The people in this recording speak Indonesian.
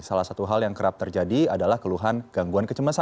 salah satu hal yang kerap terjadi adalah keluhan gangguan kecemasan